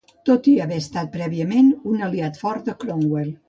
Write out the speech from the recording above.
Tot i haver estat prèviament un aliat fort de Cromwell.